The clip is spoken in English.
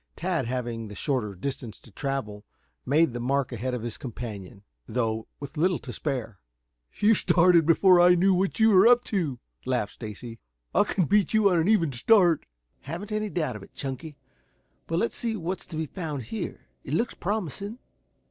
Tad having the shorter distance to travel, made the mark ahead of his companion, though with little to spare. "You started before I knew what you were up to," laughed Stacy. "I can beat you on an even start." "Haven't any doubt of it, Chunky. But let's see what's to be found here. It looks promising.